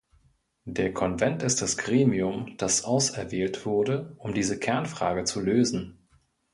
Der Konvent ist das Gremium, das auserwählt wurde, um diese Kernfrage zu lösen.